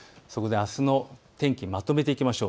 あすの天気、まとめていきましょう。